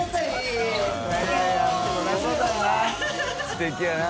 すてきやな。